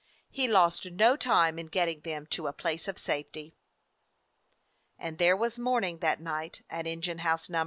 He lost no time in getting them to a place of safety. And there was mourning that night at Engine House No.